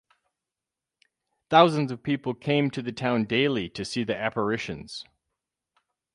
Thousands of people came to the town daily to see the apparitions.